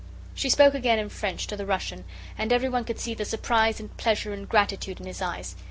She spoke again in French to the Russian, and everyone could see the surprise and pleasure and gratitude in his eyes.